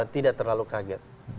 tidak terlalu kaget